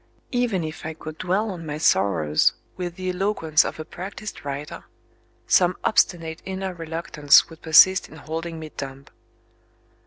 Even if I could dwell on my sorrows with the eloquence of a practised writer, some obstinate inner reluctance would persist in holding me dumb.